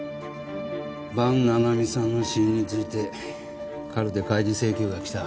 伴七海さんの死因についてカルテ開示請求が来た。